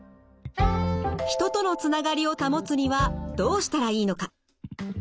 人とのつながりを保つにはどうしたらいいのか？